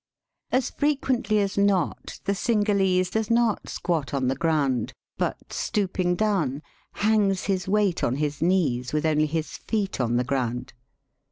As frequently as not the Cingalese does not squat on the ground, but, stooping down, hangs his weight on his knees with only his feet on the ground.